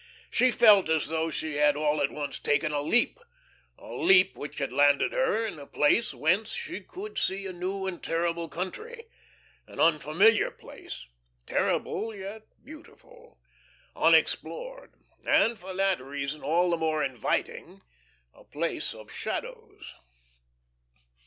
She felt as though she had all at once taken a leap a leap which had landed her in a place whence she could see a new and terrible country, an unfamiliar place terrible, yet beautiful unexplored, and for that reason all the more inviting, a place of shadows.